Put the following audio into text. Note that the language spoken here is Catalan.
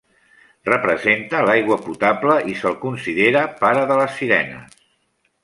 Representa l'aigua potable i se'l considera pare de les sirenes.